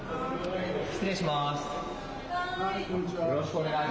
失礼します。